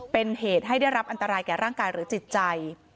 เป็นเหตุให้ได้รับอันตรายแก่ร่างกายหรือจิตใจ